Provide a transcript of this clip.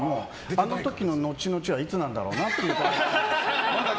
あの時の後々はいつなんだろうなと。